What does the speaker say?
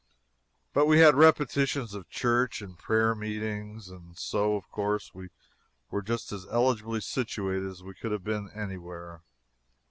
But we had repetitions of church and prayer meetings; and so, of course, we were just as eligibly situated as we could have been any where.